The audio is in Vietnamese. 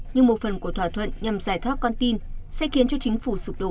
nhưng một phần của thỏa thuận nhằm giải thoát con tin sẽ khiến cho chính phủ sụp đổ